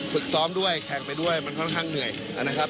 ฝึกซ้อมด้วยแข่งไปด้วยมันค่อนข้างเหนื่อยนะครับ